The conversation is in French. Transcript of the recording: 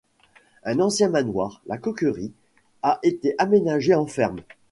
Un ancien manoir, la Coquerie, a été aménagé en ferme.